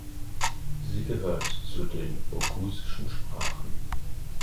Sie gehört zu den oghusischen Sprachen.